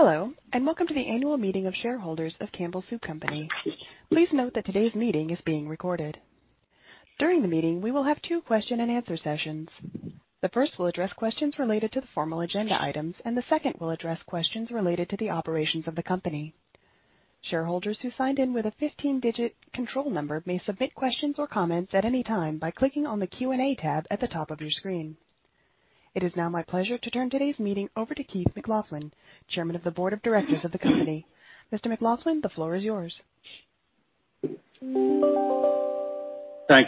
Hello, and welcome to the annual meeting of shareholders of Campbell Soup Company. Please note that today's meeting is being recorded. During the meeting, we will have two question-and-answer sessions. The first will address questions related to the formal agenda items, and the second will address questions related to the operations of the company. Shareholders who signed in with a 15-digit control number may submit questions or comments at any time by clicking on the Q&A tab at the top of your screen. It is now my pleasure to turn today's meeting over to Keith McLoughlin, Chairman of the Board of Directors of the company. Mr. McLoughlin, the floor is yours. Thank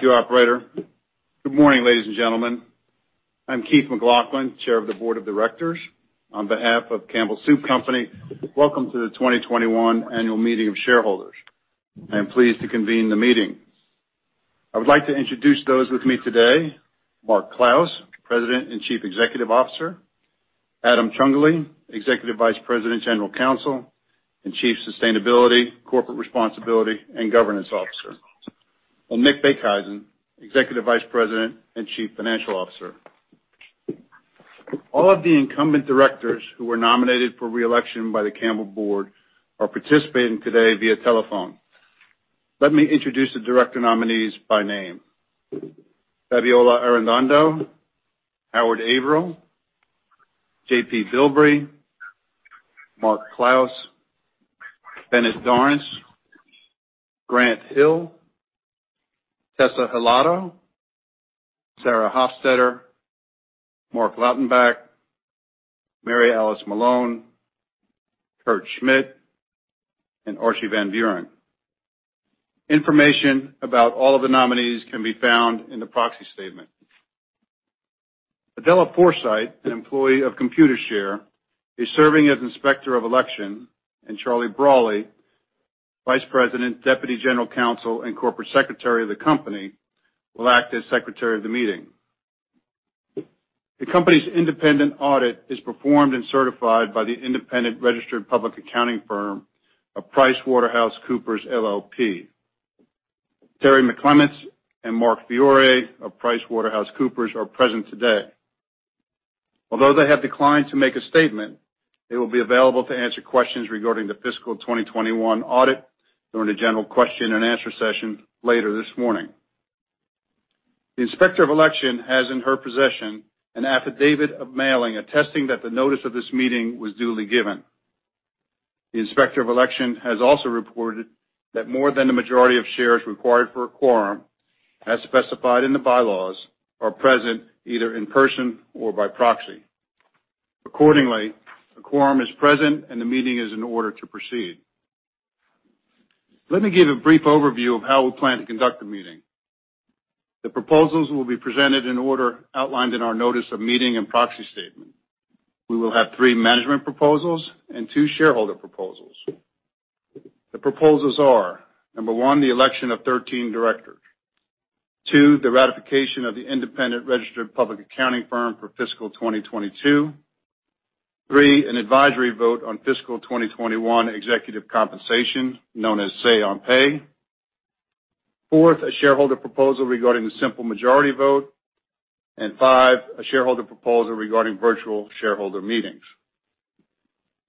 you, Operator. Good morning, ladies and gentlemen. I'm Keith McLoughlin, Chair of the Board of Directors on behalf of Campbell Soup Company. Welcome to the 2021 annual meeting of shareholders. I am pleased to convene the meeting. I would like to introduce those with me today: Mark Clouse, President and Chief Executive Officer; Adam G. Ciongoli, Executive Vice President, General Counsel, and Chief Sustainability, Corporate Responsibility, and Governance Officer; and Mick Beekhuizen, Executive Vice President and Chief Financial Officer. All of the incumbent directors who were nominated for re-election by the Campbell Board are participating today via telephone. Let me introduce the director nominees by name: Fabiola Arredondo, Howard M. Averill, John P. Bilbrey, Mark Clouse, Bennett Dorrance, Grant H. Hill, Maria Teresa Hilado, Sarah Hofstetter, Marc A. Lautenbach, Mary Alice Dorrance Malone, Kurt T. Schmidt, and Archbold D. van Beuren. Information about all of the nominees can be found in the proxy statement. Adela Forsyth, an employee of Computershare, is serving as Inspector of Election, and Charlie Brawley, Vice President, Deputy General Counsel, and Corporate Secretary of the Company, will act as Secretary of the Meeting. The company's independent audit is performed and certified by the independent registered public accounting firm of PricewaterhouseCoopers LLP. Terry McClements and Mark Fiore of PricewaterhouseCoopers are present today. Although they have declined to make a statement, they will be available to answer questions regarding the fiscal 2021 audit during the general question-and-answer session later this morning. The Inspector of Election has in her possession an affidavit of mailing attesting that the notice of this meeting was duly given. The Inspector of Election has also reported that more than the majority of shares required for a quorum, as specified in the bylaws, are present either in person or by proxy. Accordingly, a quorum is present, and the meeting is in order to proceed. Let me give a brief overview of how we plan to conduct the meeting. The proposals will be presented in order outlined in our notice of meeting and proxy statement. We will have three management proposals and two shareholder proposals. The proposals are: number one, the election of 13 directors; two, the ratification of the independent registered public accounting firm for fiscal 2022; three, an advisory vote on fiscal 2021 executive compensation, known as Say-on-Pay; fourth, a shareholder proposal regarding the simple majority vote; and five, a shareholder proposal regarding virtual shareholder meetings.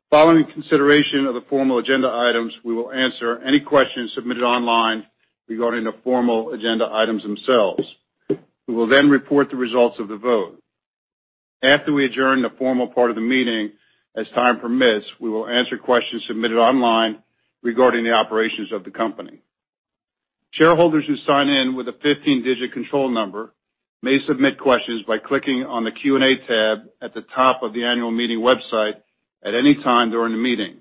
Following consideration of the formal agenda items, we will answer any questions submitted online regarding the formal agenda items themselves. We will then report the results of the vote. After we adjourn the formal part of the meeting, as time permits, we will answer questions submitted online regarding the operations of the company. Shareholders who sign in with a 15-digit control number may submit questions by clicking on the Q&A tab at the top of the annual meeting website at any time during the meeting.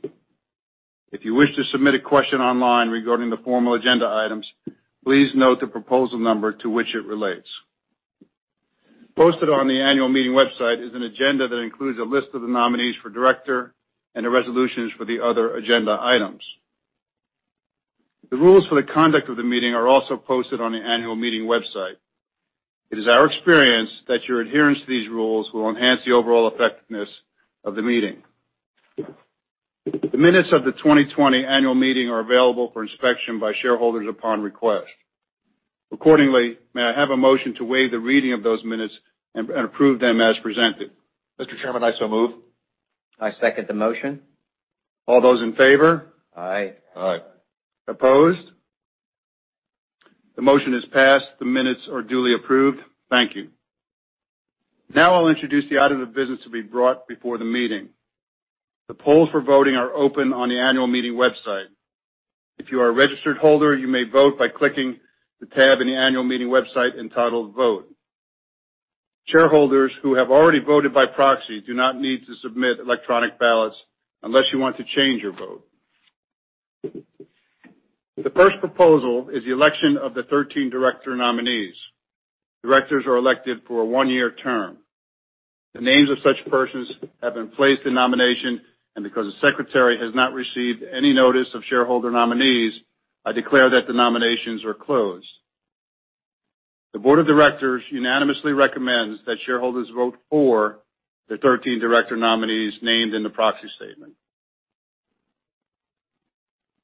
If you wish to submit a question online regarding the formal agenda items, please note the proposal number to which it relates. Posted on the annual meeting website is an agenda that includes a list of the nominees for director and the resolutions for the other agenda items. The rules for the conduct of the meeting are also posted on the annual meeting website. It is our experience that your adherence to these rules will enhance the overall effectiveness of the meeting. The minutes of the 2020 annual meeting are available for inspection by shareholders upon request. Accordingly, may I have a motion to waive the reading of those minutes and approve them as presented? Mr. Chairman, I so move. I second the motion. All those in favor? Aye. Aye. Opposed? The motion is passed. The minutes are duly approved. Thank you. Now I'll introduce the item of business to be brought before the meeting. The polls for voting are open on the annual meeting website. If you are a registered holder, you may vote by clicking the tab in the annual meeting website entitled "Vote." Shareholders who have already voted by proxy do not need to submit electronic ballots unless you want to change your vote. The first proposal is the election of the 13 director nominees. Directors are elected for a one-year term. The names of such persons have been placed in nomination, and because the secretary has not received any notice of shareholder nominees, I declare that the nominations are closed. The Board of Directors unanimously recommends that shareholders vote for the 13 director nominees named in the proxy statement.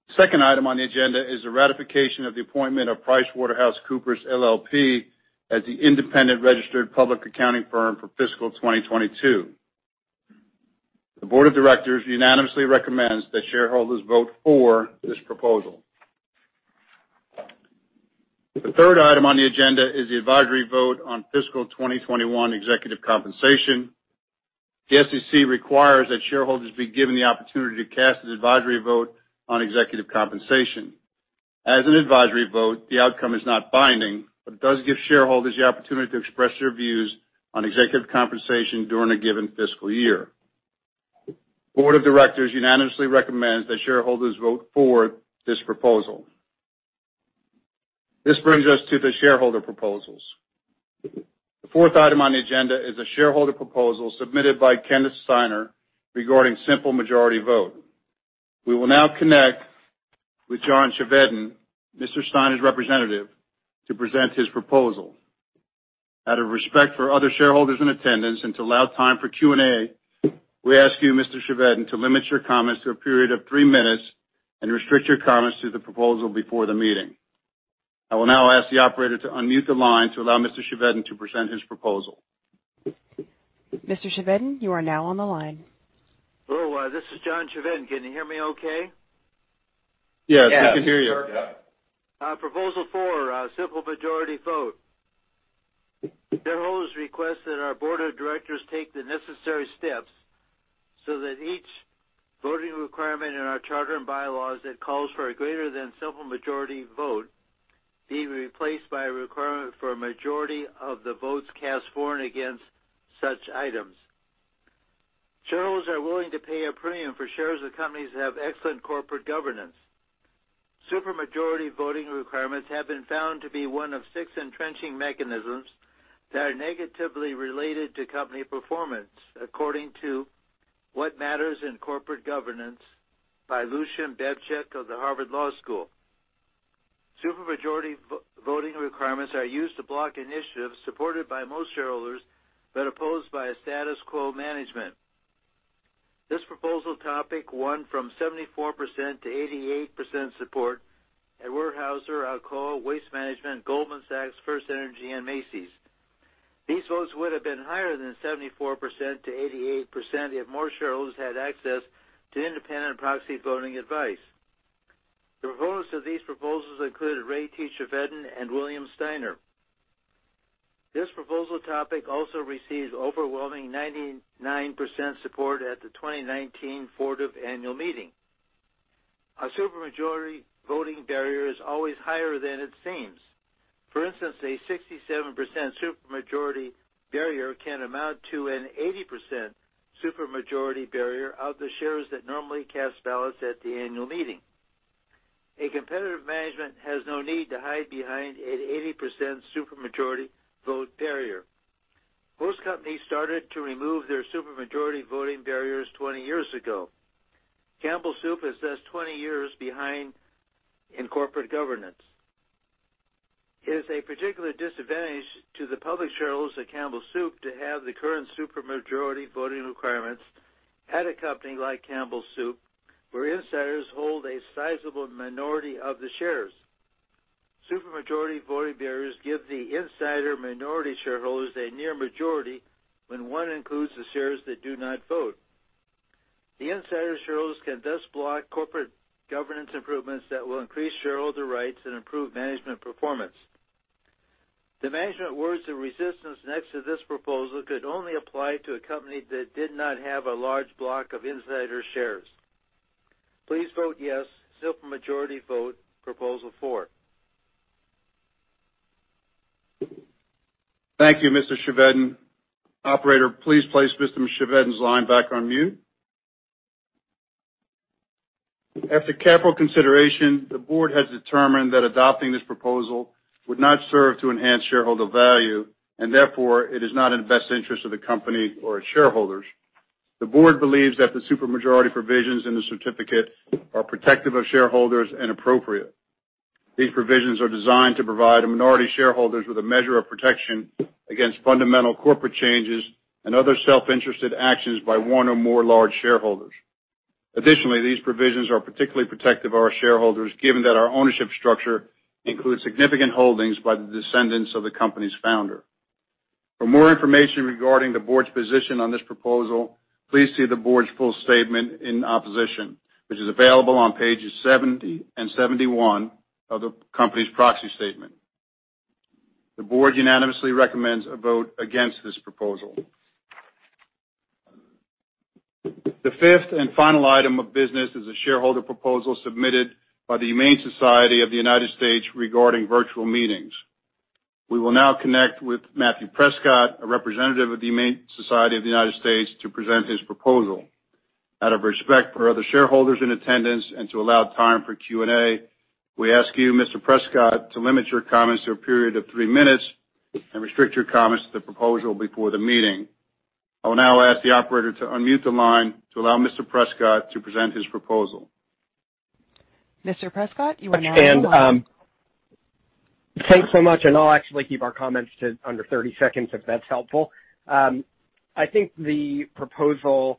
The second item on the agenda is the ratification of the appointment of PricewaterhouseCoopers LLP as the independent registered public accounting firm for fiscal 2022. The Board of Directors unanimously recommends that shareholders vote for this proposal. The third item on the agenda is the advisory vote on fiscal 2021 executive compensation. The SEC requires that shareholders be given the opportunity to cast an advisory vote on executive compensation. As an advisory vote, the outcome is not binding, but it does give shareholders the opportunity to express their views on executive compensation during a given fiscal year. The Board of Directors unanimously recommends that shareholders vote for this proposal. This brings us to the shareholder proposals. The fourth item on the agenda is the shareholder proposal submitted by Kenneth Steiner regarding simple majority vote. We will now connect with John Chevedden, Mr. Steiner's representative, to present his proposal. Out of respect for other shareholders in attendance and to allow time for Q&A, we ask you, Mr. Chevedden, to limit your comments to a period of three minutes and restrict your comments to the proposal before the meeting. I will now ask the Operator to unmute the line to allow Mr. Chevedden to present his proposal. Mr. Chevedden, you are now on the line. Hello. This is John Chevedden. Can you hear me okay? Yes. We can hear you. Yes, sir. Proposal four, simple majority vote. Shareholders request that our Board of Directors take the necessary steps so that each voting requirement in our charter and bylaws that calls for a greater than simple majority vote be replaced by a requirement for a majority of the votes cast for and against such items. Shareholders are willing to pay a premium for shares of companies that have excellent corporate governance. Supermajority voting requirements have been found to be one of six entrenching mechanisms that are negatively related to company performance, according to "What Matters in Corporate Governance" by Lucian Bebchuk of the Harvard Law School. Supermajority voting requirements are used to block initiatives supported by most shareholders but opposed by status quo management. This proposal topic won from 74% to 88% support at Weyerhaeuser, Alcoa, Waste Management, Goldman Sachs, FirstEnergy, and Macy's. These votes would have been higher than 74% to 88% if more shareholders had access to independent proxy voting advice. The proposals of these proposals included Ray T. Chevedden and William Steiner. This proposal topic also received overwhelming 99% support at the 2019 Ford Motor Company annual meeting. A supermajority voting barrier is always higher than it seems. For instance, a 67% supermajority barrier can amount to an 80% supermajority barrier of the shares that normally cast ballots at the annual meeting. A competitive management has no need to hide behind an 80% supermajority vote barrier. Most companies started to remove their supermajority voting barriers 20 years ago. Campbell Soup is less than 20 years behind in corporate governance. It is a particular disadvantage to the public shareholders of Campbell Soup to have the current supermajority voting requirements at a company like Campbell Soup where insiders hold a sizable minority of the shares. Supermajority voting barriers give the insider minority shareholders a near majority when one includes the shares that do not vote. The insider shareholders can thus block corporate governance improvements that will increase shareholder rights and improve management performance. The management words of resistance next to this proposal could only apply to a company that did not have a large block of insider shares. Please vote yes, simple majority vote proposal four. Thank you, Mr. Chevedden. Operator, please place Mr. Chevedden's line back on mute. After careful consideration, the Board has determined that adopting this proposal would not serve to enhance shareholder value, and therefore, it is not in the best interest of the company or its shareholders. The Board believes that the supermajority provisions in the certificate are protective of shareholders and appropriate. These provisions are designed to provide minority shareholders with a measure of protection against fundamental corporate changes and other self-interested actions by one or more large shareholders. Additionally, these provisions are particularly protective of our shareholders, given that our ownership structure includes significant holdings by the descendants of the company's founder. For more information regarding the Board's position on this proposal, please see the Board's full statement in opposition, which is available on pages 70 and 71 of the company's proxy statement. The Board unanimously recommends a vote against this proposal. The fifth and final item of business is a shareholder proposal submitted by The Humane Society of the United States regarding virtual meetings. We will now connect with Matthew Prescott, a representative of The Humane Society of the United States, to present his proposal. Out of respect for other shareholders in attendance and to allow time for Q&A, we ask you, Mr. Prescott, to limit your comments to a period of three minutes and restrict your comments to the proposal before the meeting. I will now ask the Operator to unmute the line to allow Mr. Prescott to present his proposal. Mr. Prescott, you are now on mute. Thank you so much. I'll actually keep our comments to under 30 seconds if that's helpful. I think the proposal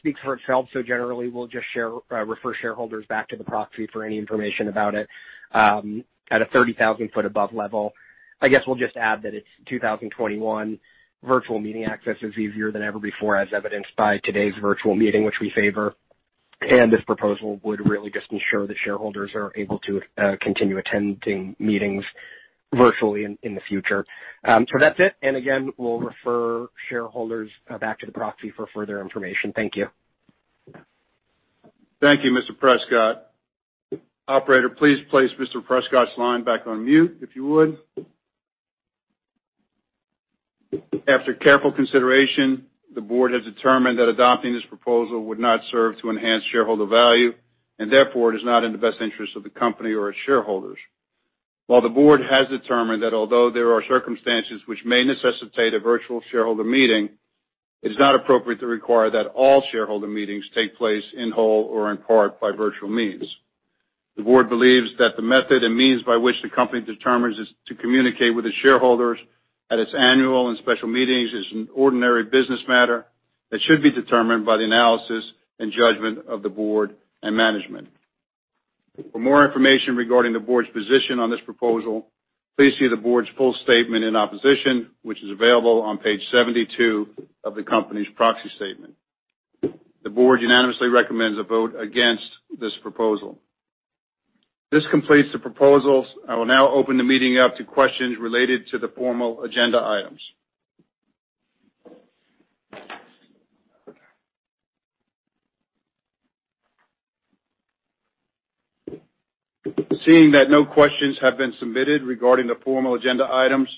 speaks for itself, so generally, we'll just refer shareholders back to the proxy for any information about it at a 30,000-foot-above level. I guess we'll just add that it's 2021. Virtual meeting access is easier than ever before, as evidenced by today's virtual meeting, which we favor. This proposal would really just ensure that shareholders are able to continue attending meetings virtually in the future. That's it. Again, we'll refer shareholders back to the proxy for further information. Thank you. Thank you, Mr. Prescott. Operator, please place Mr. Prescott's line back on mute, if you would. After careful consideration, the Board has determined that adopting this proposal would not serve to enhance shareholder value, and therefore, it is not in the best interest of the company or its shareholders. While the Board has determined that although there are circumstances which may necessitate a virtual shareholder meeting, it is not appropriate to require that all shareholder meetings take place in whole or in part by virtual means. The Board believes that the method and means by which the company determines to communicate with its shareholders at its annual and special meetings is an ordinary business matter that should be determined by the analysis and judgment of the Board and management. For more information regarding the Board's position on this proposal, please see the Board's full statement in opposition, which is available on page 72 of the company's proxy statement. The Board unanimously recommends a vote against this proposal. This completes the proposals. I will now open the meeting up to questions related to the formal agenda items. Seeing that no questions have been submitted regarding the formal agenda items,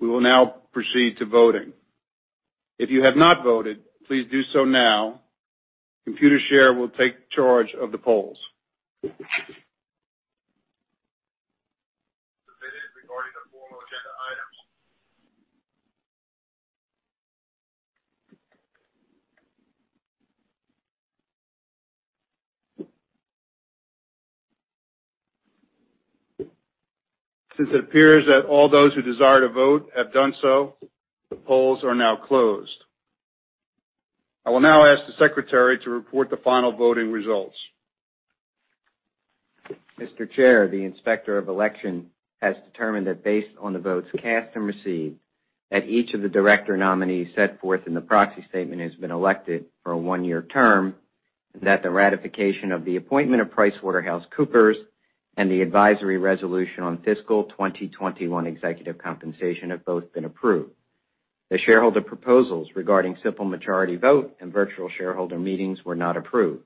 we will now proceed to voting. If you have not voted, please do so now. Computershare will take charge of the polls. Submitted regarding the formal agenda items. Since it appears that all those who desire to vote have done so, the polls are now closed. I will now ask the Secretary to report the final voting results. Mr. Chair, the Inspector of Election has determined that based on the votes cast and received that each of the director nominees set forth in the proxy statement has been elected for a one-year term, and that the ratification of the appointment of PricewaterhouseCoopers and the advisory resolution on fiscal 2021 executive compensation have both been approved. The shareholder proposals regarding simple majority vote and virtual shareholder meetings were not approved.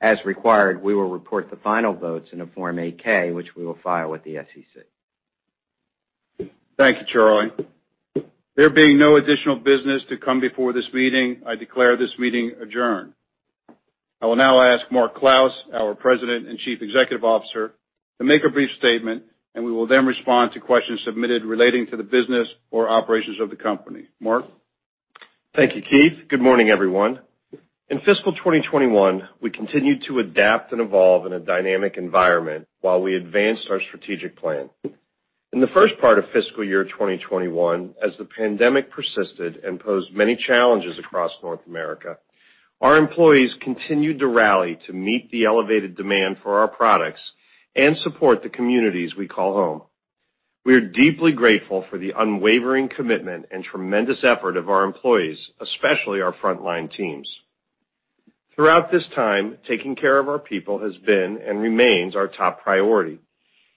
As required, we will report the final votes in a Form 8-K, which we will file with the SEC. Thank you, Charlie. There being no additional business to come before this meeting, I declare this meeting adjourned. I will now ask Mark Clouse, our President and Chief Executive Officer, to make a brief statement, and we will then respond to questions submitted relating to the business or operations of the company. Mark? Thank you, Keith. Good morning, everyone. In fiscal 2021, we continued to adapt and evolve in a dynamic environment while we advanced our strategic plan. In the first part of fiscal year 2021, as the pandemic persisted and posed many challenges across North America, our employees continued to rally to meet the elevated demand for our products and support the communities we call home. We are deeply grateful for the unwavering commitment and tremendous effort of our employees, especially our frontline teams. Throughout this time, taking care of our people has been and remains our top priority,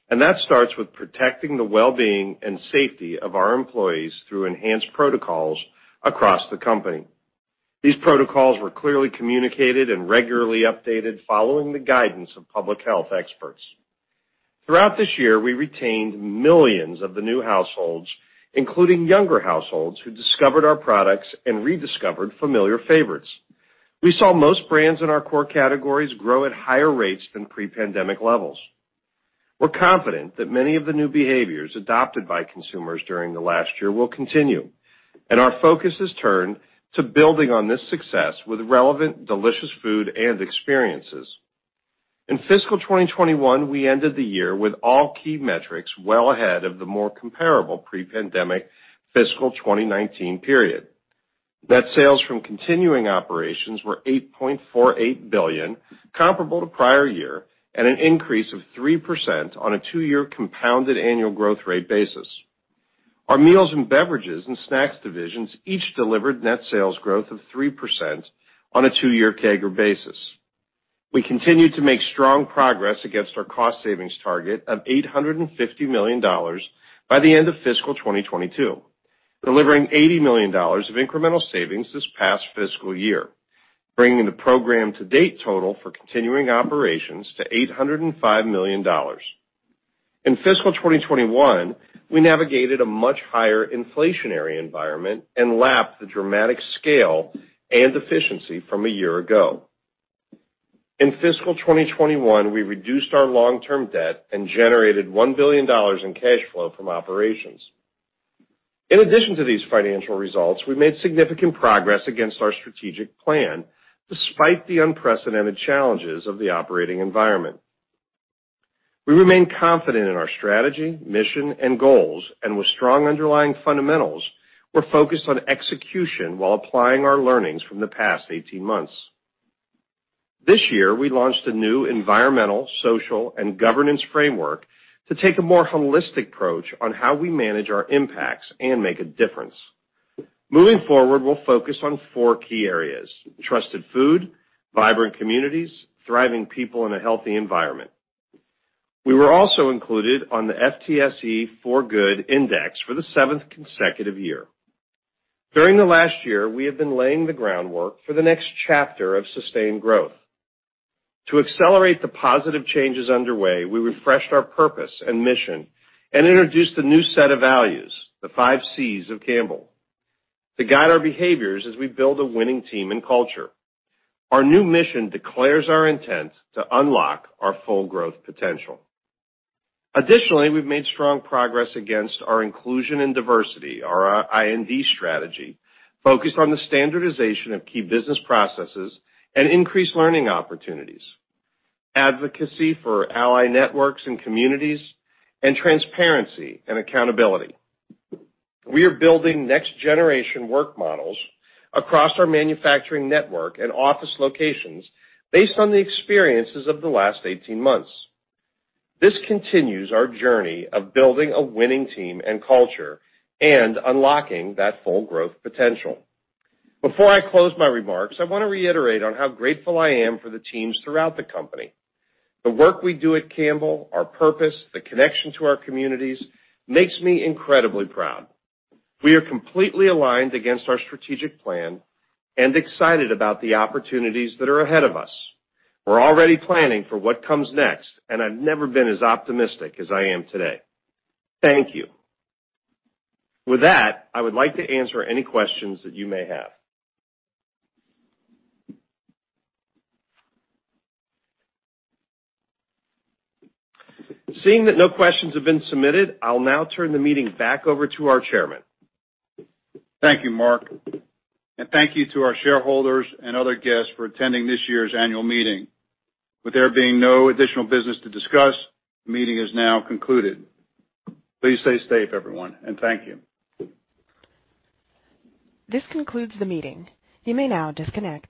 and that starts with protecting the well-being and safety of our employees through enhanced protocols across the company. These protocols were clearly communicated and regularly updated following the guidance of public health experts. Throughout this year, we retained millions of the new households, including younger households, who discovered our products and rediscovered familiar favorites. We saw most brands in our core categories grow at higher rates than pre-pandemic levels. We're confident that many of the new behaviors adopted by consumers during the last year will continue, and our focus is turned to building on this success with relevant, delicious food and experiences. In fiscal 2021, we ended the year with all key metrics well ahead of the more comparable pre-pandemic fiscal 2019 period. Net sales from continuing operations were $8.48 billion, comparable to prior year, and an increase of 3% on a two-year compounded annual growth rate basis. Our Meals & Beverages and Snacks divisions each delivered net sales growth of 3% on a two-year CAGR basis. We continue to make strong progress against our cost savings target of $850 million by the end of fiscal 2022, delivering $80 million of incremental savings this past fiscal year, bringing the program-to-date total for continuing operations to $805 million. In fiscal 2021, we navigated a much higher inflationary environment and lapped the dramatic scale and efficiency from a year ago. In fiscal 2021, we reduced our long-term debt and generated $1 billion in cash flow from operations. In addition to these financial results, we made significant progress against our strategic plan despite the unprecedented challenges of the operating environment. We remain confident in our strategy, mission, and goals, and with strong underlying fundamentals, we're focused on execution while applying our learnings from the past 18 months. This year, we launched a new environmental, social, and governance framework to take a more holistic approach on how we manage our impacts and make a difference. Moving forward, we'll focus on four key areas: trusted food, vibrant communities, thriving people, and a healthy environment. We were also included on the FTSE4Good Index for the seventh consecutive year. During the last year, we have been laying the groundwork for the next chapter of sustained growth. To accelerate the positive changes underway, we refreshed our purpose and mission and introduced a new set of values, the 5 C's of Campbell, to guide our behaviors as we build a winning team and culture. Our new mission declares our intent to unlock our full growth potential. Additionally, we've made strong progress against our inclusion and diversity, our I&D strategy, focused on the standardization of key business processes and increased learning opportunities, advocacy for ally networks and communities, and transparency and accountability. We are building next-generation work models across our manufacturing network and office locations based on the experiences of the last 18 months. This continues our journey of building a winning team and culture and unlocking that full growth potential. Before I close my remarks, I want to reiterate how grateful I am for the teams throughout the company. The work we do at Campbell, our purpose, the connection to our communities makes me incredibly proud. We are completely aligned against our strategic plan and excited about the opportunities that are ahead of us. We're already planning for what comes next, and I've never been as optimistic as I am today. Thank you. With that, I would like to answer any questions that you may have. Seeing that no questions have been submitted, I'll now turn the meeting back over to our Chairman. Thank you, Mark. Thank you to our shareholders and other guests for attending this year's annual meeting. With there being no additional business to discuss, the meeting is now concluded. Please stay safe, everyone, and thank you. This concludes the meeting. You may now disconnect.